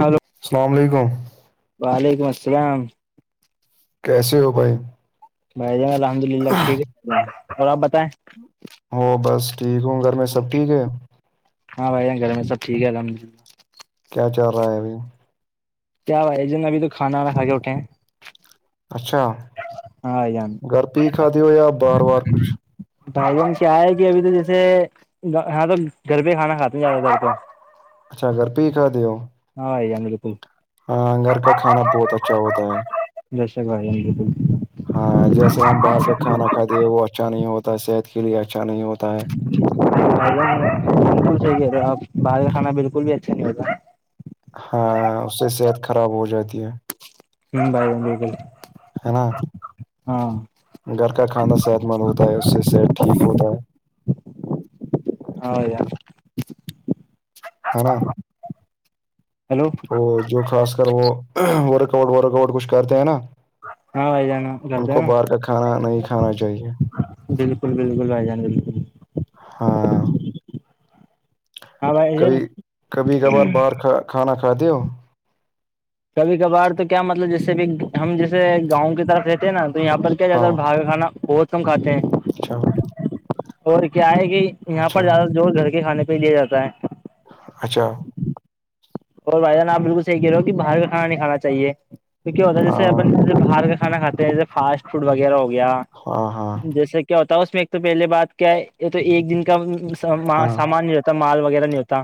hello السلام علیکم وعلیکم السلام کیسے ہو بھائی بھائی جان الحمد للہ ٹھیک ہے اور آپ بتائیں ہو بس ٹھیک ہوں گھر میں سب ٹھیک ہے ہاں بھائی گھر میں سب ٹھیک ہے الحمد للہ کیا چل رہا ہے ابھی کیا بھائی ہے جن ابھی تو کانا کھ کے اٹھ ہیں اچھا ہاں بھائی جان گھر پے خھاتے ہو یا بہر وہر کچھ بھائی ہم کیا ہے کہ ابھی تو جیسے ہاں تو گھر پہ کھانا کھاتے ہیں زیادہ تر کو اچھا گھر پہ ہی کھاتے ہو ہاں بھائی جان بالکل ہاں گھر کا کھانا بہت اچھا ہوتا ہے [inaudible] ہاں جیسے ہم باہر کا کھانا کھاتے ہیں وہ اچھا نہیں ہوتا صحت کے لیے اچھا نہیں ہوتا ہے بالکل صحیح ہے اب باہر کا کھانا بالکل بھی اچھا نہیں ہوتا ہاں اس سے صحت خراب ہو جاتی ہے ہاں بھائی جان بالکل ہے نا ہاں گھر کا کھانا صحت مند ہوتا ہے اس سے صحت ٹھیک ہوتا ہے ہاں بھائی جان ہ نا ہیلو وہ جو خاص کر وہ ورک آؤٹ ورک آٹ کچھ کرتے ہیں نا ہاں بھائی جانا ان کرھرتے ہیں کو نا باہر کا کھانا نہیں کھانا چاہیے بالکل بالکل بھائی جان بالکل ہوں ہاں بھائی جان کبھی کبھی کبھار باہر کھ کھانا کھات ہو کبھی کبھار تو کیا مطلب جیسے بھی ہم جیسے گاؤں کی طرف رہتے ہیں نا تو یہاں پر کیا ہاں زیادہر بھاے کانا بہت کھے ہیں اچھا اور کیا ہے کہ یہاں پر اچھا زیادہ جوش گھر کے کھانے پہ لیا جاتا ہے اچھا اور وھدان آپ بالکل صحی کہہ رہو ہو کہ باہر کا کھان نہیں کانا چاہیے کیا ہوتا ہے جیسے اپ ہاں ج باہر کا کھانا کھاتے ہیں جیسے فاسٹ فوڈ وغیرہ ہو گیا ہاں ہاں جیسے کیا ہوتا اس میں ایک تو پہلے بات کیا یہ تو ایک دن کا ہاں سامانتا مال وغیرہ نہیں ہوتا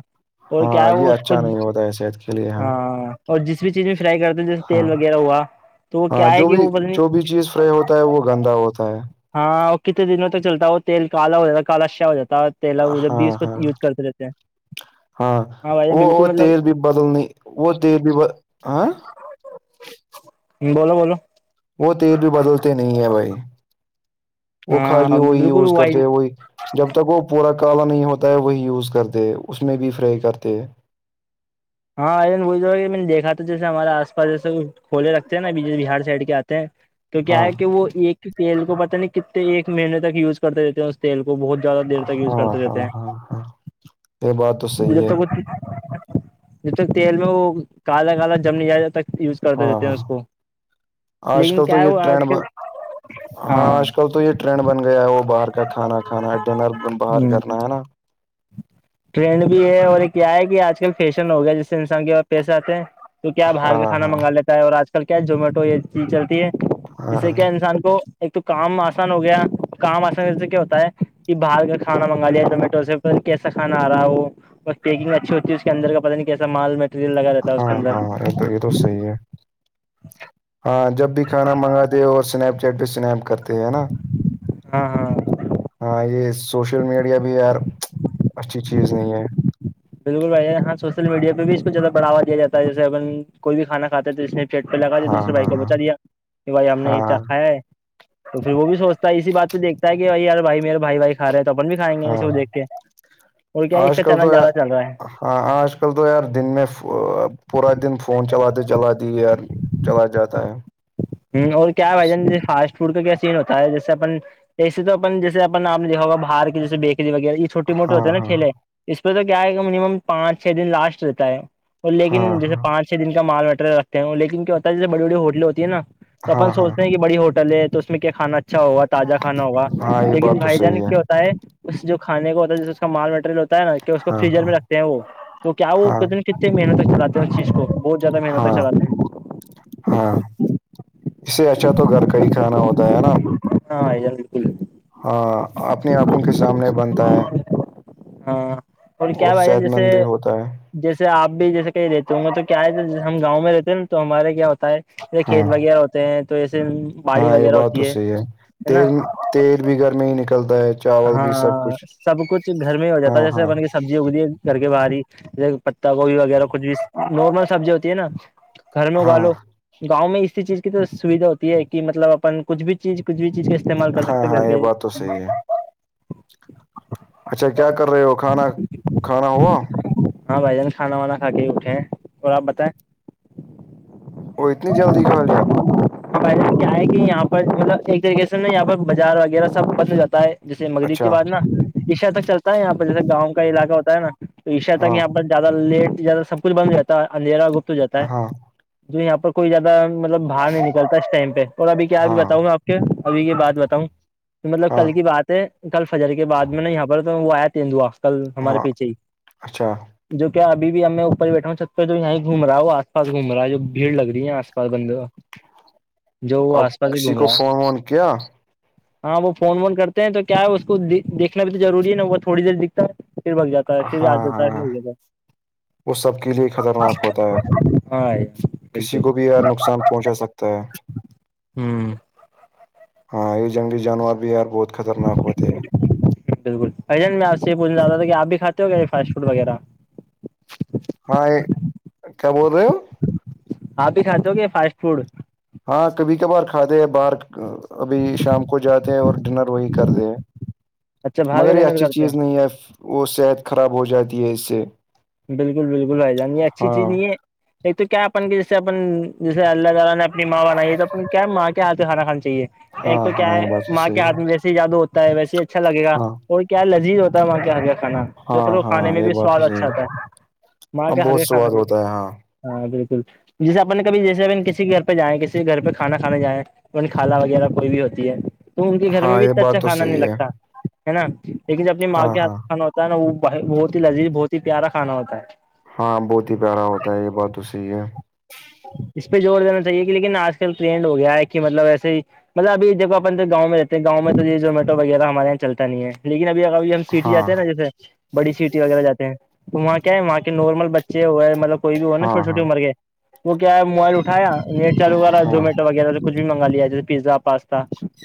اور ہاں کیا ہے یہ وہ اس کو اچھا نہیں ہوتا ہے صحت کے لیے ہاں ہاں اور جس بھی چیز میں فرائی کرتے ہو جیسے ہاں تیل وغیرہ ہوا تو وہ کیا ہے کہ وہ بت اسے ہوتا ہے وہ گندا ہوتا ہے ہاں وہ کتنے دنوں تک چلتا وہ تیل کالا ہو جاتا ہے کال اشیا ہو جاتا ہے تیلا و جب ہاں بھی اس کو ہاں یوز کرتے رہتے ہیں ہاں بھائی جان وہ بالکل وہ تل مطلب بھی بدلنی وہ تل بھی ب ہاں بولو بولو وہ تیل بھی بدلتے نہیں ہے بھائی وہ خالی ہاں وہی بالکل یوز وائٹ کرتے وہی جب تک وہ پورا کالا نہیں ہوتا ہے وہی یوز کرتے اس میں بھی فرائی کرتے ہاں ا وہا کہ میں نے دیکھا تھا جیسے ہمارے آس پاس جیسے کھول رکھتے نا بہار سائڈ کے آتے ہیں تو کیا ہاں ہے کہ وہ ایک تیل کو پتاہ نہیں کتنے ایک مہینے تک یوز کرتے رہتے ہیں تیل کو بہت زیادہ دیر تک یوز ہاں کرتے رہتے ہاں ہیں ہاں ہاں یہ بات تو صحیح جب ہے تک ک جب تک تیل میں وہ کالا کالا جم نہیں جائےب تک یوز کرتے ہاں رہتے ہیں ہاں اس کو آج لیکن کل تو کیا ہے یہ وہ ٹرینڈ آج ب کل ہاں آج کل تو یہ ٹرینڈ بن گیا ہے وہ باہر کا کھانا کھانا ڈنر باہر ہ کرنا ہے نا ٹرینڈ بھی ہے اور ایک کیا ہے کہ آج کل فیشن ہو گیا جس سے انسان کے بع پیسے آتے ہیں تو کیا باہر کے ہاں کھانا ہاں منگا لیتا ہے اور آج کل کیا زومیٹو یہ چیز چلتی ہے اس سے کیا ہاں انسان کو ایک تو کام آسان ہو گیا کام آسان سے کیا ہوتا ہے کہ باہال کر کھانا منگا لیا زومیٹو سے اور کیسا کانا آ رہا ہو پیکنگ اچھی ہوتی اندر کا پتاہ نہیں کیسا مال مٹیریل لگا رہتا ہے اس کے ہاں اندر ہاں یہ تو یہ تو صحیح ہے ہاں جب بھی کھانا منگا دے اور سنیک جٹ پہ سنم کرتے ہے نا ہاں ہاں ہاں یہ سوشل میڈیا بھی یار اچھی چیز نہیں ہے بالکل بھائی ہاں سوشل میڈیا پہ بھی اس کو زیادہ بڑھایا جات ہے جیسےن کوئی کھا کھاے تو اس میں بھی پیٹ پہ لگا دیا ہاں دوسے ہاں بھائی کو ہاں بچا دیا کہ بھائی ہم نے یہ ہاں چکھا ہے تو پھر وہ بھی سوچتا ہے اسی بات تو دیکتا ہے کہائی یار بائی میرے بھائی بائی کھا رہے تو اپن بھی کھائیں گے اس ہاں کو دیکھ کے اور کیا ہے اس آج کا کل چلنا تو یار زیادہ چل رہا ہے ہاں آج کل تو یار دن میں پورا دن فون چلاتے چلاتی یار چلا جاتا ہے ہ اور کیا بھان جیسے فاسٹ فوڈ کا کیا سین ہوتا ہے جیسے اپن ایسے تو اپن جیسے اپن آ لکھو ہوا باہر کے جیسے بیکری وغیرہ اس چھوٹی موٹی ہاں ہوتے ہے نا ہاں ٹھیلے اس پہ تو کیا ہے منیمم پانچ چھ دن لاسٹ رہتا ہے اور ہاں لیکن جیسے ہاں پانچ چھ دن کا مال مٹر رکھتے ہیں لیکن کیا ہوتا ہے جیس بڑی بڑی ہوٹلیں ہوتی ہیں نا تو اپن ہاں ہاں سوچتے ہیں کہ بڑی ہوٹل ہے تو اس میں کیا کانا اچھا ہوگا تازہ کانا ہوگا ہاں یہ لیکن بات تو بھائی جان صحیح کیا ہوتا ہے اس جو کھانے کا ہوتا ہے ج اس کا مال مٹیریل تا ہے نا کہ اس کو ہاں فریجر میں ہاں رکھتے ہیں وہ تو کیا ہاں وہتنے کتنی محنتک چلے ہیں اس چیز کو بہت زیادہ محنت ت ہاں چلے ہیں ہاں اسے اچھا تو گھر کا ہی کھانا ہوتا ہے نا ہاں جان بالکل ہاں اپنی آنکھوں کے سامنے بنتا ہے ہاں اور کیا بھائی جان صحت جیسے مند بھی ہوتا ہے جیسے آپ بھی جیسے کہیں رہتے ہوں گے تو کیا ہے جی ہم گاؤں میں رہتے ہیں نا تو ہمارے کیا ہوتا ہے ہاں کھیت وغیرہ ہوتے ہیں تو ایسے ہاں یہ بات تو صحیح ہے تیل تیل بھی گھر میں ہی نکلتا ہے چاول بھی سب ہاں کچھ سب کچھ گھر میں ہی ہو ہاں جاتا ہے جیسے ہاں بنے سبزی سبز اگتی ہے گھر کے باہری جیسے پتتا گوبھی وغیرہ کچھ بھی نارمل سبزی ہوتی ہے نا گھر میں اگا ہاں لو گاؤں میں اسی چیز کی تو سویدھا ہوتی ہے کہ مطلب اپن کچھ بھی چیز کچھ بھی چیز کا استعمال کر ہاں سکتے ہاں گھر یہ کے بات تو صحیح ہے اچھا کیا کر رہے ہو کھانا کھانا ہوا ہاں بھائی جان کھانا وانا کھا کے اٹھے ہیں اور آپ بتائیں وہ اتنی جلدی کا لیا پہلے کیا ہے کہ یہاں پر مطلب ایک طریقے سے نا یہاں پر بازار وغیرہ سب بن جاتا ہے جیسے مغرب کے اچھا بع نا عشا تک چلتا ہے یہاں پر جیسے گاؤں کا علاقہ ہوتا ہے نا تو عشا تک ہاں یہاں پر زیادہ لیٹ زیادہ سب کچھ بند ہو جاتا ہے اندھیرا گپت ہو جاتا ہے ہاں جو یہاں پر کوئی زیادہ مطلب باہر نہیں نکلتا اسٹائ پہ اور اب کیا ا بھی ہاں بتاؤں میں آ ابھی یہ بات بتاؤں کہ مطلب ہاں کل کی بات ہے کل فجر کے بعد میں نا یہاں پر تو وہ آیا ت دوا کل ہمارے ہاں پیچھے ہی اچھا جو کیا ابھی بھیب میں اوپر بیٹھا ہوں چھت پہ جو یہاں گھوم رہا ہے وہ آس پاس گھوما ہے جو بھیڑ لگ رہی ہے آس پا بند اب کسی کو فون وون کیا ہاں وہ فون وون کرتے ہیں تو کیا ہے اس کو دیکھنا بھی تو ضروری ہے نا وہ تھوڑی دیر دکھتا ہے پھر بھگ جاتا ہے پھر آ ہاں جاتا ہے ہاں پھر بھگ جاتا وہ سب کے لیے خطرناک ہوتا ہے ہاں بالکل کسی کو بھی نقصان پہنچا سکتا ہے ہوں ہاں یہ جنگلی جانور بھی یار بہت خطرناک ہوتے ہیں بالکل ایجن میں آپ سے یہ پوچھ چاہتا تھا کہ آپ بھی کھاتے ہو کیا یہ فاسٹ فوڈ وغیرہ ہاں یہ کیا بول رہے ہو آپ ہی کھاتے ہو گ فاسٹ فوڈ ہاں کبھی کبھار کھ دے ہیں باہر ابھی شام کو جاتے ہیں اور ڈنر وہی کرتے ہیں اچھا باہر کا مگر یہ ڈنر اچھی کرتے چیز نہیں ہے وہ صحت خراب ہو جاتی ہے اس سے بالکل بالکلھائی جان یہ اچھی چیز ہاں نہیں ہے ایک تو کیا اپن جیسے اپن جیسے اللہ تعالی نے اپنی ماں بنائی تو اپن کیا ماں کیا آتے کانا کھانا چاہیے ہاں ایک تو کیا ہاں یہ ہے بات تو ماں کے صحیح ہے ہاتھمی جیسے جیاادو ہوتا ہے ویسے اچھا لگےا ہاں اور کیا لذیذ ہوتا ہے وہاں کا ہل کاھانا ہاں چوکرو کھانے ہاں میں یہ بھی بات تو سواد صحیح اچھا ہے تھا مال اب کیا بہت ہر کھانا سواد ہوتا ہے ہاں ہاں بالکل جیسے اپن کبھی جیسے اپ کسی گھر پہ جائیں کسی گھر پہ کانا کھانے جائیں کھالا وغیرہ کوئی بھی ہوتی ہے تو ان کے گھر میں ہاں بھی یہ اتنا اچھا بات تو کھانا نہیں صحیح ہے لگتا ہے نا لیکن جب اپنی ماں ہاں کے ہاتھ ہاں کانا ہوتا ہے نا وہ بہت ہی لذیذ بہت ہی پیارا کھانا ہوتا ہے ہاں بہت ہی پیارا ہوتا ہے یہ بات تو صحیح ہے اس پہ جوور دینا چاہیے کہ لیکن آج کل ٹرینڈ ہو گیا ہے کہ مطلب ایسے ہی مطلبھییک اپ گؤں میں رہتے گاؤں تو یہ زومیٹو وغیرہ ہمارے یہاں چلتا نہیں ہے لیکن ابھی ا ابھی ہم سٹی جے ہاں ہیں نا جیسے بڑی سیٹی وغیرہ جاتے ہیں وہاں کیا ہے وہاں نارمل بچے ہوئے مطلب کوئی بھی ہو نا ہاں چوٹی چھوٹی ہاں عمر کے وہ کیا ہے موبائل اٹھایا نی چالوغیرہ ہاں زمیٹو وغیرہ تو کچھ بھی منگا لیا جیے پیزا پاستا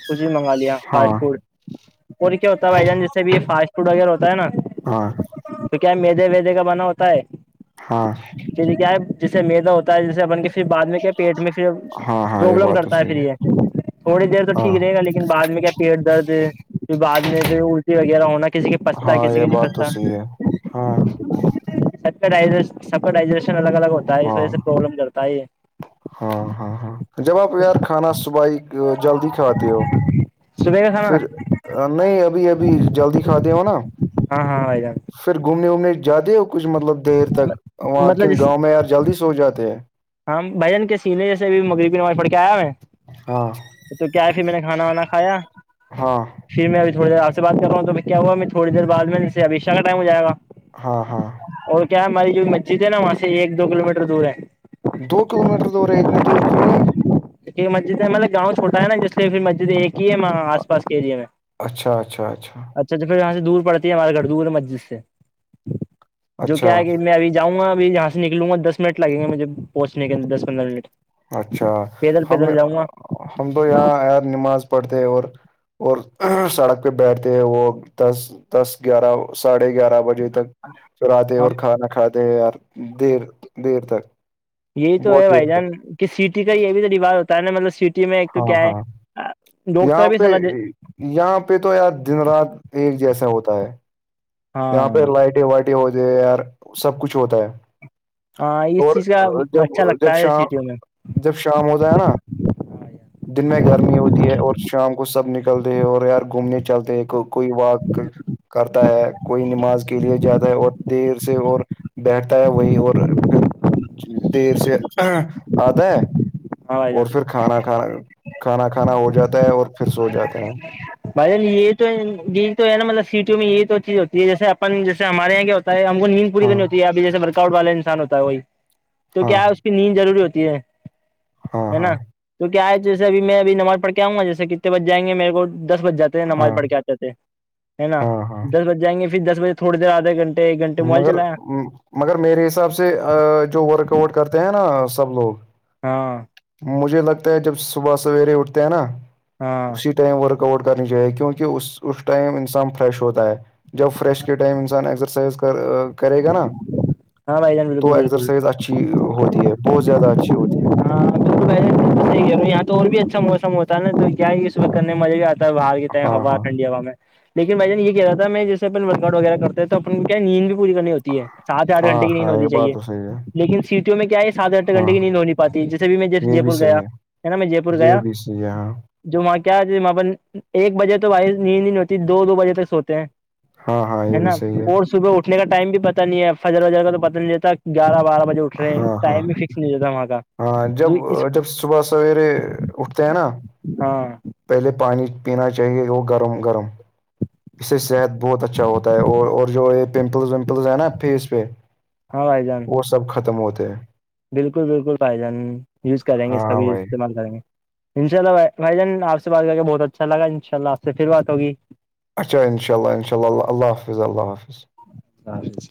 کچھ بھی منگا لیا ہاں فاسٹ فوڈ اور کیا ہوتا ہے بھائی جان جیسے بھی یہ فاسٹ فوڈ وغیرہ ہوتا ہے نا ہاں تو کیا مدے ودے کا بنا ہوتا ہے ہاں جیے کیا ہے جیسے میدا ہوتا ہے جیسے اپن کے پھر بعد میں کیا پیٹ میں پھر ہاں ہاں یہ پروبلم بات تو کرتا ہے پھر صحیح یہ تھوڑی دیر تو ہاں ٹھیک رہے گا لیکن بع میں کیا پیٹ درد پھر بعد میں پھر الٹی وغیرہ ہونا کسی کے پستا ہاں کسی یہ کے نہیں بات تو پستا صحی ہے ہاں سب کا ڈائ سب کا ڈائجیشن الگ الگ ہوتا ہے اس ہاں وجہ سے پروابلم کرتا ہے یہ ہاں ہاں ہاں جب آپ یار کھانا صبح جلدی کھاتے ہو صبح کا پھر کھانا نہیں ابھی ابھی جلدی کھاتے ہو نا ہاں ہاں بھائی جان پھر گھومنے وومنے جاتے ہو کچھ مطلب دیر تک وہاں کے مطلب جس گاؤں میں یار جلدی سو جاتے ہے ہاں بھجن کے سینئر سے بھی مغربی نماز پڑھ کے آیا ہے میں ہاں تو کیا ہے پھر میں نے کھانا وانا کایا ہاں پھر میں ابھیوڑییر آ سے بات کرا ہوں توب کیا ہوا میں تھوڑ دیر بعد میں سے ابش شاہ کاٹائم ہو ج گا ہاں ہاں اور کیا ہماری جو مسجد ہے نا وہاں سے ایک دو کلو میٹر دور ہے دو کلو میٹر دور ہے اتنی دور کیوں ہے کیونکہ مسجد مطب گاؤں چھوا ہے نا جس پھر مسجد ایک ہی ہےاں آس پاس کےرییا میںچ اچھا اچھا اچھا اچا تو پھر وہاں سے دور پڑتی ہے ہمارے گھر دور مسجد سے جو کیا اچھا ہے کہ میں ابھی جاں گا اب یہاں سے نکلوں گا د منٹ لگیں گے مجھے پہچ کے اند دس پندر منٹ اچھا پیدل ہم پیدل جاؤں گا ہم تو یہاں یار نماز پڑھتے اور اور سڑک پہ بیٹھتے ہیں وہ دس دس گیارہ ساڑھے گیارہ بجے تک چراتے ہیں ہاں اور کھانا کھاتے ہیں یار دیر دیر تک یہی تو ہے بہت دیر بھائی تک جان کہ سٹی کا یہ بھی تو ریوااز ہوتا ہے نا مطلب سٹی میں ایک تو ہاں کیا ہے ہاں یہاں ڈاکٹر بھی پہ صلاح دے یہاں پہ تو یار دن رات ایک جیسا ہوتا ہے یہاں ہاں پہ لائٹیں وائٹیں ہوتی ہیں یار سب کچھ ہوتا ہے ہاں اس اور چیز کا جب اچھا جب لگتا ہے شام سٹیوں میں جب شام ہوتاائے نا ہاں دن میں گرمی ہوتی ہے اور شام کو سب نکلتے ہیں اور یار گھومنے چلتے ہیں کوئی واک کرتا ہے کوئی نماز کے لیے جاتا ہے اور دیر سے اور بیٹھتا ہے وہی اور پھر دیر سے آتا ہے بھائی اور جان پھر کھانا کھانا کھانا کھانا ہو جاتا ہے اور پھر سو جاتا ہے بھائی جان یہ تو یہ تو ہے نا مطلب سیٹیوں میں یہ تو چیز ہوتی ہے جیسے اپن جیسے ہمارے یہاں ہم کو نیند پور ہاں کرنی ہوتی ہے اھی جیسے ورکاؤٹ والا انسان ہوتا ہے وہی تو ہاں کیا ہے اس نیند ضروری ہوتی ہے ہاں ہے نا ہاں تو کیا ہے جیسے ابھی میں ابھی نماز پڑھ کے آؤں گا جیسے کہ بچ جائیںے مے کو دس بجاتے ہیں ہاں نمازڑ کے آتے نا ہاں ہاں دس بج جائیں گے پھر دس بجے تھوڑی دیر آدھے گھنٹے ایک گھنٹے موبائل مگر چلایا مگر میرے حساب سے جو ورک آؤٹ کرتے ہیں نا سب لوگ ہاں مجھے لگتا ہے جب صبح سویرے اٹھتے ہیں نا ہاں اسی ٹائم ورک آؤٹ کرنی چاہیے کیونکہ اس اس ٹائم انسان فریش ہوتا ہے جب فریش کے ٹائم انسان ایگزرسائز کر کرے گا نا ہاں بھائی جان تو بالکل بالکل ایکسرسائز اچھی ہوتی ہے بہت زیادہ اچھی ہوتی ہے ہاں تو پہلےحییک ہے یہاں تو اور بھی اچھا موسم ہوتا ہے نا تو کیا یہ صبح کرنے مزے ہی آتا ا باہر کی ائم ہاں ہوا ہاں ٹھنڈی ہوا میں لیکن بھائیان یہ کہ رہا تھا میں جیسےن ورک آؤٹ وغیرہ کرتے تو اپ کیا نیند بھی پوری کرنی ہوتی ہے سات آٹھ ہاں گھٹے کی نہیں ہاں ہوتی یہ چاہیے بات تو صحیح ہے لیکن سیٹیوں میں کیا ہے سات آٹھ گھنٹے ہاں کی نیند ہو نہیں پاتی جیسے بھی میں یہ جیسے بھی پور گیا صحیح ہے نا میں جے پور یہ گیا بھی صحیح ہے ہاں جو وہاں کیا وہاں ایک بجے تو با نیند ہوتی دو بجے تک سوتے ہیں ہاں ہاں ہے یہ بھی نا صحیح اور صبح اٹھنے کا ٹائم بھی پت نہیں ہے فجر وجر کا تو پتاہ نہیں رہتا گیارہ بارہ بجے اٹھ رہے ہیں ہاں ہاں ٹائم بھی فکس نہیں ہواتتا وہاں کا ہاں جب جو اس تینا ہاں پہلے پانی پینا چاہیے وہ گرم گرم اس سے صحت بہت اچھا ہوتا ہے اور اور جو یہ پمپلز ومپلز ہیں نا فیس پہ ہاں بائی جان وہ سب ختم ہوتے ہیں بالکل بالکل پھائی جان یوز کریں گے اس کا ہاں بھی بھائی استعمال کریں گے انشاء اللہ بھائی جان آپ سے بات کر کے بہت اچھا لگا ان شاءلہ آپ سے پھر بات ہوگی اچا ان شا اللہ انشاء اللہ اللہ حافظ اللہ حافظ سارے